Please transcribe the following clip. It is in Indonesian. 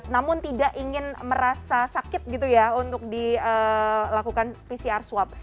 namun tidak ingin merasa sakit gitu ya untuk dilakukan pcr swab